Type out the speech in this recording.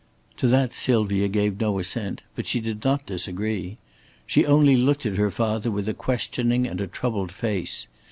To that Sylvia gave no assent. But she did not disagree. She only looked at her father with a questioning and a troubled face.